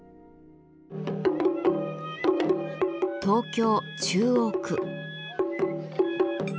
東京・中央区。